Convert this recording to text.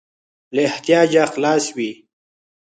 له احتیاجه خلاص وي.